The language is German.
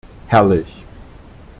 Herrlich!